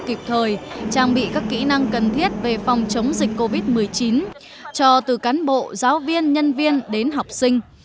kịp thời trang bị các kỹ năng cần thiết về phòng chống dịch covid một mươi chín cho từ cán bộ giáo viên nhân viên đến học sinh